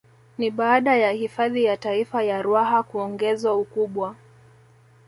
Ni baada ya hifadhi ya Taifa ya Ruaha kuongezwa ukubwa